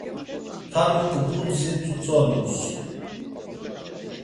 Tanuk budzi tzutzonums.